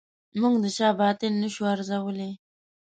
موږ د چا باطن نه شو ارزولای.